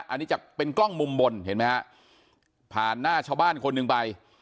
อันนี้จากเป็นกล้องมุมบนเห็นไหมฮะผ่านหน้าชาวบ้านคนหนึ่งไป